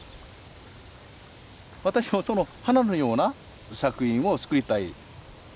私もその花のような作品を作りたい。